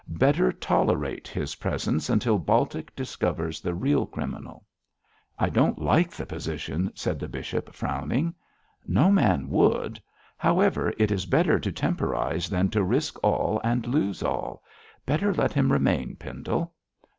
Better tolerate his presence until Baltic discovers the real criminal.' 'I don't like the position,' said the bishop, frowning. 'No man would. However, it is better to temporise than to risk all and lose all. Better let him remain, Pendle.'